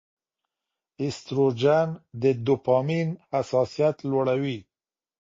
ایسټروجن د ډوپامین حساسیت لوړوي.